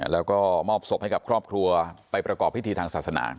แล้วก็มอบศพให้กับครอบครัวไปประกอบพิธีทางศาสนา